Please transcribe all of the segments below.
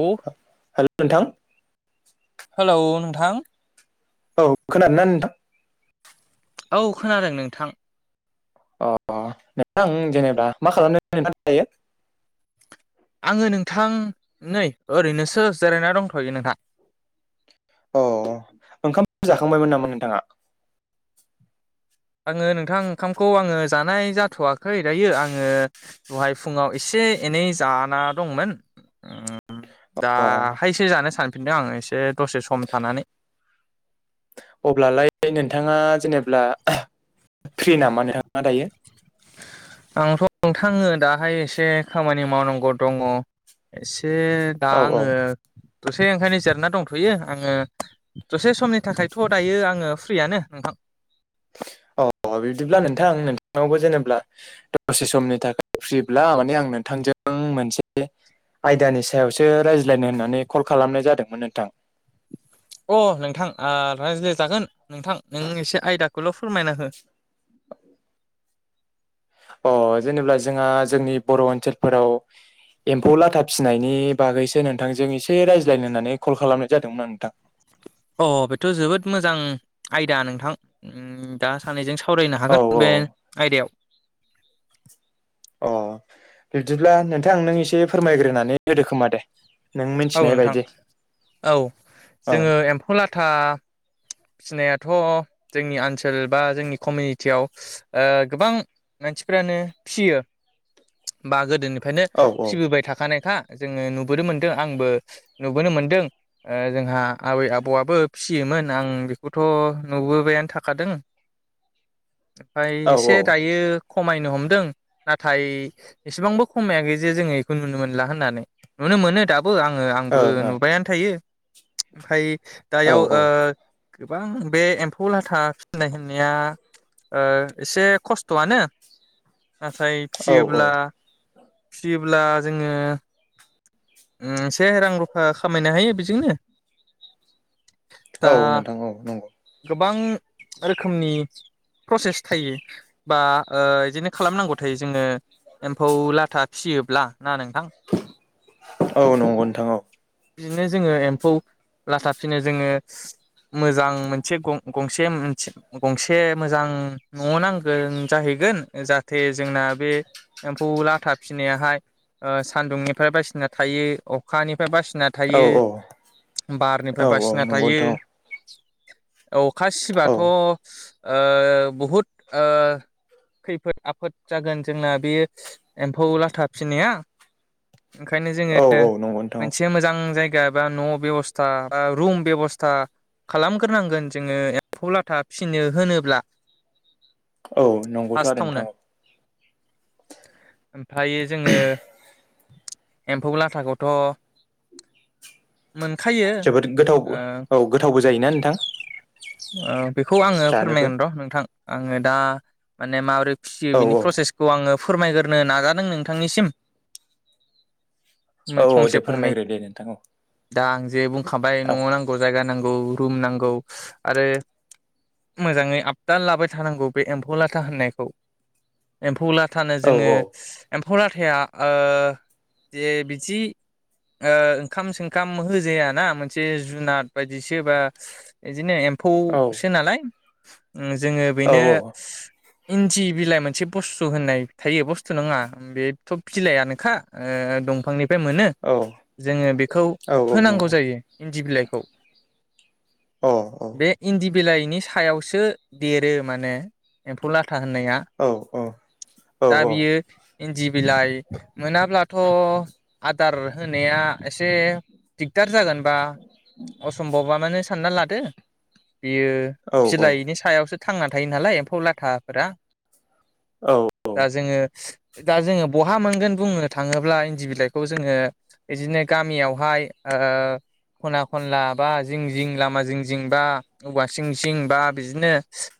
अ' hello नोंथां hello नोंथां औ खोनादोना नोंथां? औ खोनादों नोंथां। अ नोंथां जेनेबा मा खालामदोन नोंथां थायो? आङो नोंथां नै ओरैनोसो जिरायना दंथ'यो नोंथां। औ ओंखाम जाखांबायमोन नामा नोंथाङा? आङो नोंथां ओंखामखौ आङो जानाय जाथ'वाखै दायो आङो दहाय फुङाव एसे से एनै जाना दंमोन [inaudible] अ दाहायसो जानो सानफिनदों आं एसे दसे सम थानानै। अब्लालाय नोंथाङा जेनेब्ला फ्रि नामा नोंथाङा दायो आंथ' नोंथाङो दाहाय एसे खामानि मावनांगौ दङ ए से दा औ आङो औ दसे ओंखायनो जिरना दंथ'यो आङो दसे समनि थाखायथ' दायो आङो फ्रियानो नोंथां। [inaudible] अ बिदिब्ला नोंथां नोंथांनावबो जेनेब्ला दसे समनि थाखाय फ्रिब्ला माने आं नों थांजों मोनसे आयदानि सायावसो रायज्लायनो होननानै कल खालामनाय जादोंमोन नोंथां। अ नोंथां आ रायज्लाय जागोन नोंथां नों एसे आयदाखौल' फोरमायना हो। [inaudible] अ जेनेब्ला जोंहा जोंनि बर' ओनसोलफोराव एम्फौ लाथा फिसिनायनि बागैसो नोंथांजों एसे रायज्लायनो होननानै कल खालामनाय जादोंमोन आ नोंथां। अ बेथ' जोबोद मोजां आयदा नोंथां। ओम दा सानैजों सावरायनो औ हागोन बे आयदायाव अ बिब्दिब्ला नोंथांं नों एसे फोरमायग्रोनानै होदो खोमा दे। नों औ मिथिनाय बायदि नोंथां औ औ जोङो एम्फौ लाथा फिसिनायाथ' जोंनि आनसोल बा जोंनि कमिनिटियाव ओ गोबां मानसिफ्रानो फिसियो बा गोदोनिफ्रायनो औ फिसिबोबाय थाखानायखा जोङो नुबोनो मोनदों आंबो नुबोनो मोनदों ओ जोंहा आबै आबौआबो फिसियो मोन आं बेखौथ' नुबोबायानो थाखादों फ्राय औ एसे दायो खमायनो हमदों नाथाय एसेबांबो खमायाखै जे जोङो बेखौ नुनो मोनला होननानै नुनो मोनो दाबो आङो औ आंबो ओं ओं नुबायानो थायो ओमफ्राय औ दायाव ओ गोबां बे एम्फौ लाथा फिसिनाय होननाया ओ एसे खस्थ'आनो नाथाय औ फिसियोब्ला फिसियोब्ला जोङो ओम से रां रुफा खामायनो हायो बेजोंनो दा औ नोंथां औ नंगौ गोबां रोखोमनि प्रसेस थायो बा ओ बिदिनो खालामनांगौ थायो जोङो एम्फौ लाथा फिसियोब्ला ना नोंथां औ नंगौ नोंथां औ बिदिनो जोङो एम्फौ लाथा फिनो जोङो मोजां मोनसे गं-गंसे मोनसे गंसे मोजां न' नांगोन जाहैगो गोन जाहाथे जोंना बे एम्फौ लाथा फिसिनायाहाय ओ सान्दुंनिफाय बायसिना थायो अखानि फाय बासिना औ औ थायो बारनिफाय औ औ बासिना नंगौ थायो नोंथां औखा औ सिबाथ' ओ बहुद ओ खैफोद आफोद जागोन जोंना बे एम्फौ लाथा फिनाया ओंखायनो औ जोङो औ नंगौ नोंथां मोनसे मोजां जायगा गाबा न' बेबस्था बा रुम बेब'स्था खालामग्रोनांगोन जोङो एम्फौ लाथा फिसिनो होनोब्ला औ नंगौथ' आरो फार्स्टावनो नोंथां औ ओमफ्रायो जोङो एम्फौ लाथाखौथ' मोनखायो जोबोद गोथावबो औ गोथावबो जायोना नोंथां बेखौ आङो जानोबो फोरमायगोन र' नोंथां आङो दा माने माबोरै फिसियो औ बिनि प्रसेसखौ आङो फोरमायग्रोनो नाजादों नोंथांनिसिम औ औ फंसे दे फंनै फोरमायग्रो दे नोंथां औ दा आं जे बुंखाबाय औ न'आव नांगौ जायगा नांगौ रुम नांगौ आरो मोजाङै आबदाल लाबाय थानांगौ बे एम्फौ लाथा होननायखौ एम्फौ लाथा थानो औ जोङो एम्फौ लाथाया ओ जे बिदि ओ ओंखाम संखाम होजायााना मोनसे जुनार बायदि जिसो बा बिदिनो औ एम्फौसो नालाय जोङो औ बेनो इन्दि बिलाइ मोनसे बुस्थु होननाय थायो बुस्थु नङा बेथ' बिलाइआानोखा दंफांनि मोनो औ जोङो बेखौ औ औ होनांगौ नंगौ जायो इन्दि बिलाइखौ औ औ बे इन्दि बिलाइनि सायावसो देरो माने एम्फौ लाथ लाथा होननाया औ दा बियो इन्दि बिलाइ मोनाब्लाथ' आदार होनाया एसे दिगदार जागोनबा सम्भबा मानोे सानना लादो बियो बिलाइनि सायावसो थांना थायो नालाय एम्फौ लाथाफोरा दा जोङो दा जोङो बहा मोनगोन बुंनो थाङोब्ला इन्दि बिलाइखौ जोङो बिदिनो गामियावहाय खना खनला बा जिं जिं लामा जिं जिं बा औवा सिं सिं बा बिदिनो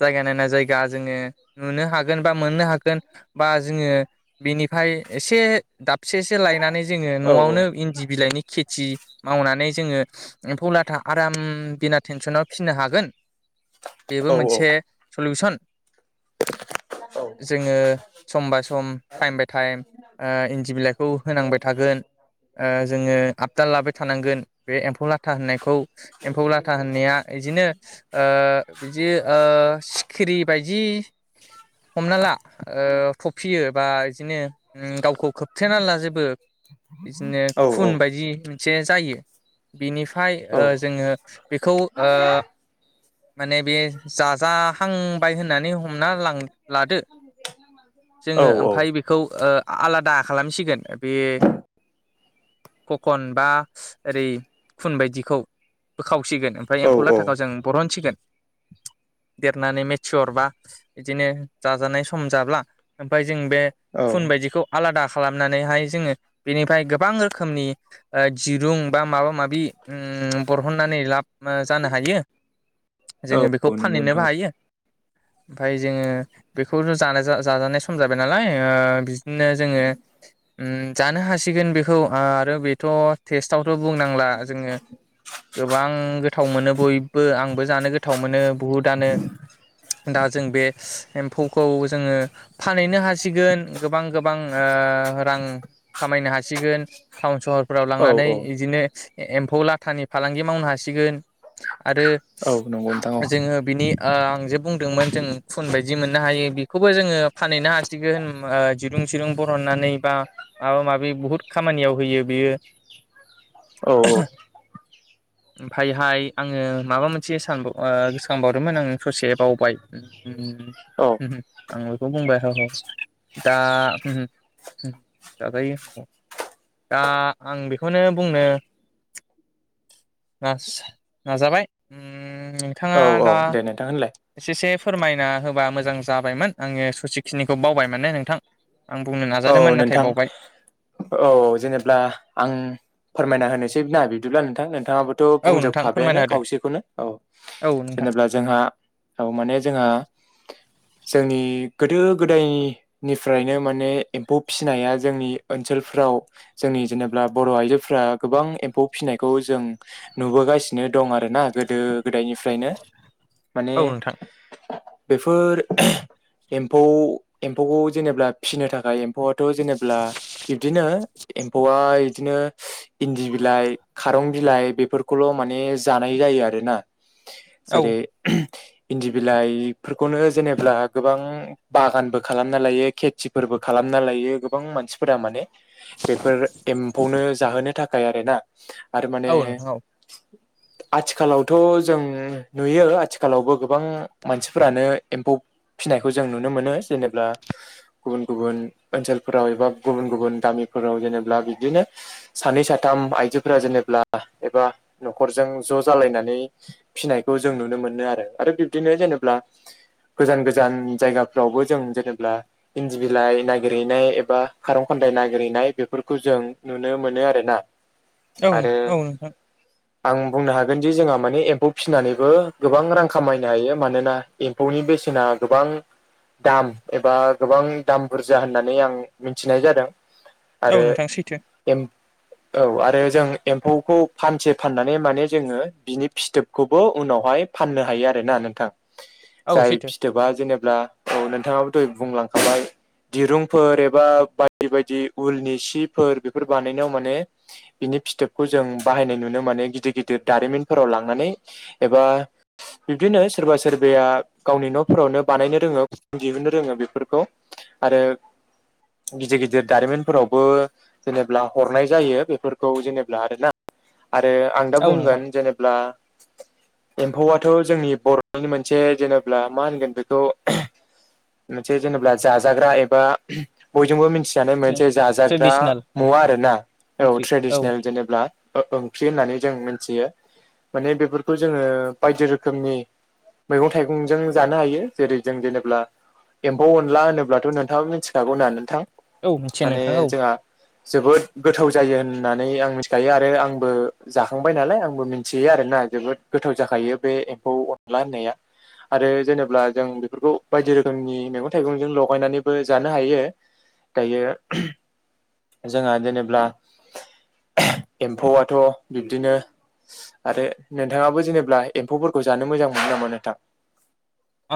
जायगा नायना जायगा जोङो नुनो हागोन बा मोननो हागोन बा जोङो बेनिफ्राय एसे दाब खबसेसे लायनानै जोङो न'आवनो इन्दि बिलाइनि खेथि मावनानै जोङो एम्फौ लाथ था आराम बिना टेनसनाव फिनो हागोन बेबो मोनसे सलउसन औ जोङो सम बाय सम टाइम बाय टाइम इन्दि बिलाइखौ होनांबाय थागोन ओ जोङो आबदाल लाबाय थानांगोन बे एम्फौ लाथा होननाय खौ एम्फौ लाथा होननाया बिदिनो ओ बिदि ओ खिरि बायदि हमना ला ओ थफियो बा बिदिनो गावखौ खोबथेना ला जेबो बिदिनो खुन बायदि मोनसे जायो, बिनिफ्राय ओ जोङो बेखौ ओ माने बे जाजाहांबाय होननानै हमना लांदों। लादो जोङो ओमफफ्राय बेखौ अ आलादा खालामसिगोन बे ककन बा ओरै खुन बायदिखौ बोखावसिगोन ओमफ्राय एम्फौ लाथाखौ जों बरहनसिगोन । [inaudible] देरनानै मेथिहरबा बिदिनो जाजानाय सम जाब्ला ओमफ्राय। जों बे औ फुन बायदिखौ आलादा खालामनानैहाय जोङो बेनिफ्राय गोबां रोखोमनि ओ दिरुं बा माबा माबि उम बरहननानै लाब जानो हायो, जोङो बेखौ औ नंगौ फानहैनोबो नोंथां हायो । ओमफाय जोङो बेखौथ' जानाय जाजानाय सम जाबाय नालाय। बिदिनो जोङो उम जानो हासिगोन बेखौ आरो बेथ' टेस्टआवथ' बुंनांला जोङो। गोबां गोथाव मोनो बयबो आंबो जानो गोथाव मोनो। बुहुदआनो दा जों बे एमफौखौ जोङो फानहैनो हासिगोन गोबां गोबां ओ । रां खामायनो हासिगोन थावन सोहरफोराव औ लांनानै औ बिदिनो एमौ लाथा। थानि फालांगि मावनो हासिगोन आरो औ नंगौ नोंथां औ जोङो बिनि ओ आं जे बुंदोंमोन जों फुन बायदि मोननो हायो बेखौबो जोङो फानहैनो हासिगोन ओ दिरुं दिरुं बरहननानै बा माबा माबि बुहुत खामानियाव होयो बेयो। औ औ ओमफायहाय आङो माबा मोनसे सानबाव गोसोखांबावदोंमोन आं ससे बावबाय औ [unintelligible] आं बेखौ बुंबाय। औ औ दा उम दाजायो । दा आं बेखौनो बुंनो। नास-नाजाबाय। उम औ नोंथाङा औ दा दे नोंथां होनलाय एसेसेफ फोरमायना होबा मोजां जाबायमोन आङो ससेखिनिखौ बावबाय माने नोंथां। आं बुंनो औ नाजादोंमोन नाथाय नोंथां बावबाय औ जेनेब्ला आं फोरमायना होनोसै ना बिदिब्ला नोंथां। नोंथाङाबोथ' औ नोंथां बुंजोबखाबायानो फोरमायना होदो खावसेखौनो औ औ नोंथां जेनेबा जोंहा। औ माने जोंहा। जोंनि गोदो गोदायनिफ्रायनो माने एम्फौ फिसिनाया जोंनि ओनसोलफ्राव जोंनि जेनेबा बर' आइजोफ्रा गोबां एम्फौ फिसिनाय। नायखौ जों नुबोगासिनो दं आरोना गोदो गोदायनिफ्रायनो। माने। औ नोंथां बेफोर एम्फौ एम्फौखौ जेनेबा फिसिनो थाखाय। एम्फौआथ' जेनेबा बिब्दिनो एम्फौआ बिदिनो इन्दि बिलाइ खारं बिलाइ बेफोरखौल' माने जानाय जायो आरोना। औ जेरै इन्दि बिलाइफोरखौनो जेनेब्ला गोबां बागानबो खालामना लायो खेथिफोरबो खालामना लायो गोबां मानसिफोरा माने बेफोर एम्फौनो जाहोनो थाखाय। थाखाय आरो ना आरो माने औ नोंथां औ आथिखालावथ' जों नुयो आथिखालावबो गोबां मानसिफोरानो एम्फौ फिसिनायखौ जों नुनो मोनो जेनेबा गुबुन गुबुन ओनसोलफोराव एबा गुबुन गुबुन गामिफोराव जेनेबा बिदिनो सानै साथाम आइ आायजोफोरा जेनेब्ला एबा न'खरजों ज' जालायनानै फिनायखौ जों नुनो मोनो आरो। आरो बिब्दिनो जेनेब्ला गोजान गोजान जायगाफ्रावबो जों जेनेब्ला इन्दि बिलाइ नागिरहैनाय एबा खारं खन्दाय नागिरहैनाय बेफोरखौ जों नुनो मोनो आरो ना? औ आरो औ नोंथां आं बुंनो हागोनदि जोंहा माने एम्फौ फिसिनानैबो गोबां रां खामायनो हायो मानोना एम्फौनि बेसेना गोबां दाम एबा गोबां दाम बुरजा होननानै आं मिथिनाय जादों। औ आरो नोंथां सैथो एम औ आरो जों एम्फौखौ फानसे फाननानै माने जोङो बिनि फिथोबखौबो उनावहाय फाननो हायो आरोना नोंथां। औ जाय सैथो फिथोबा जेनेब्ला औ नोंथाङाबो दहाय बुंलांखाबाय। दिरुंफोर एबा बायदि बायदि उलनि सिफोर बेफोर बानायनायाव माने बिनि फिथोबखौ जों बाहायनाय नुनो मोनो गिदिर गिदिर दारिमिनफोराव लांनानै एबा बिब्दिनो सोरबा सोरबाया गावनि न'फोरावनो बानायनो रोङो दिहुननो रोङो बेफोरखौ आरो गिदिर गिदिर दारिमिनफोरावबो जेनेब्ला हरनाय जायो बेफोरखौ जेनेब्ला आरोना? आरो आं दा औ नोंथां बुंगोन जेनेब्ला एम्फौआथ' जोंनि बर'नि मोनसे जेनेब्ला मा होनगोन बेखौ मोनसे जेनेब्ला जाजाग्रा एबा बयजोंबो मोनथि दानो मोनसे जाजाग्रा ट्रेडिसनेल औ मुवा आरो ना? औ ओंख्रि औ ट्रेडिसनेल जेनेब्ला ओ ओंख्रि होननानै जों मिन्थियो। माने बेफोरखौ जोङो बायदि रोखोमनि। मैगं थाइगं जों जानो हायो जेरै जों जेनेब्ला एम्फौ अनला होनोब्लाथ' नोंथाङाबो मिन्थिखागौ ना नोंथां? औ मिथियो माने नोंथां औ जोंहा जोबोद गोथाव जायो होननानै आं मिथिखायो आरो आंबो जाखांबाय नालाय आंबो मिन्थियो आरो ना जोबोद गोथाव जाखायो बे एम्फौ अनला होननाया आरो जेनेब्ला जों बेफोरखौ बायदि रोखोमनि मेगं थाइगंजों ल [unintelligible] नानैबो जानो हायो दायो। जोंहा जेनेब्ला एम्फौआथ' बिबदिनो आरो नोंथाङाबो जेनेब्ला एम्फौफोरखौ जानो मोजां मोनो नामा नोंथां?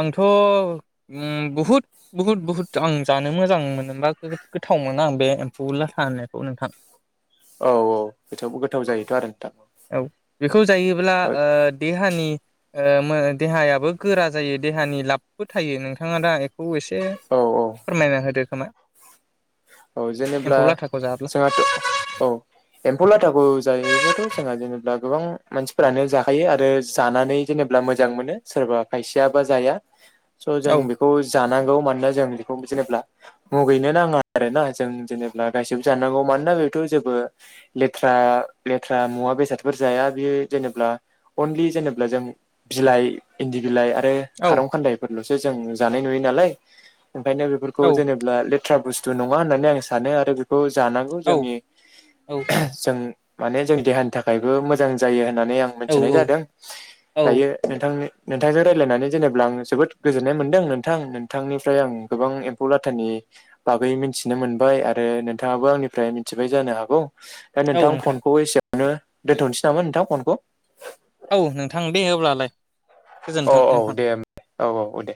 आंथ' उम बुहुद बुहुद बुहुद आं जानो मोजां मोनोबा गोथा गोथाव मोनो आं बे एम्फौ लाथा होननायखौ नोंथां। औ औ गोथावबो गोथाव जायोथ' आरो नोंथां। औ बेखौ जायोब्ला ओ देहानि ओ मो देहायाबो गोरा जायो देहानि लाबबो थायो नोंथाङा दा खौ एसे औ फोरमायना होदो खोमा औ जेनेबब्ला एम्फौ लाथाखौ जाब्ला जोंहाथ' औ एम्फौ लाथाखौ जायोबाथ' जोंहा जेनेब्ला गोबां मानसिफोरानो जाखायो आरो जानानै जेनेब्ला मोजां मोनो सोरबा खायसेया जाया स' जों औ बेखौ जानांगौ मानोना जों बेखौ जेनेब्ला मुगैनो नाङा। आरोना जों जेनेब्ला गासेबो जानांगौ मानोना बेथ' जेबो लेथ्रा लेथ्रा मु मुवा बेसाद जाया बेयो जेनेब्ला अनलि जेनेब्ला जों बिलाइ इन्दि बिलाइ । आरो औ खारौ खान्दाइफोरल'सो जों जानाय नुयो नालाय ओंखायनो बेफोरखौ औ जेनेब्ला लेथ्रा बुस थु नङा होननानै आं सानो आरो बेखौ जानांगौ औ जोंनि जों माने जोंनि देहानि थाखायबो मोजां जायो। होननानै आं औ मिन्थिनाय औ जादों औ दायो नोंथांनि नोंथांजों रायलायनानै जेनेब्ला आं जोबोद गोजोननाय मोनदों नोंथां नोंथांनिफ्राय आं गोबां एम्फौ लाथानि बागै मिथिनो मोनबाय आरो नोंथाङाबो आंनिफ्राय मिथिबाय जानो हागौ दा नोंथां फनखौ एसे नो दोन्थ'नोसै नामा नोंथां फनखौ औ नोंथां दे होब्लालाय औ औ दे औ औ दे।